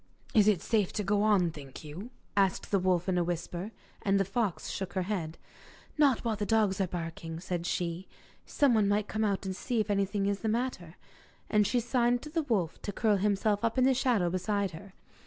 'Is it safe to go on, think you?' asked the wolf in a whisper. And the fox shook her head. 'Not while the dogs are barking,' said she; 'someone might come out to see if anything was the matter.' And she signed to the wolf to curl himself up in the shadow beside her.